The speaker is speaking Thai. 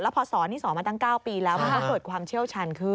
พอสอนนี่สอนมาตั้ง๙ปีแล้วมันก็เกิดความเชี่ยวชันขึ้น